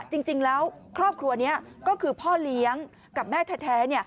จริงแล้วครอบครัวนี้ก็คือพ่อเลี้ยงกับแม่แท้